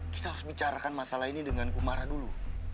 kita harus bicarakan masalah ini dengan kumara dulu